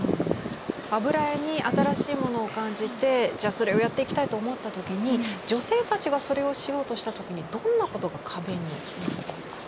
油絵に新しいものを感じてそれをやっていきたいと思った時に女性たちがそれをしようとした時にどんなことが壁になったんですか？